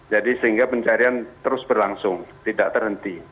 jadi sehingga pencarian terus berlangsung tidak terhenti